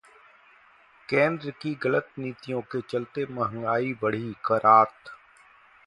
केंद्र की गलत नीतियों के चलते महंगाई बढ़ी: करात